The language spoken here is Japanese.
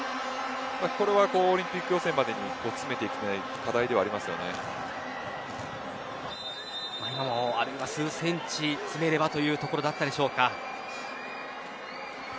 ここはオリンピック予選までに詰めていきたい課題では今もあと数センチ詰めればというところだったでしょうか。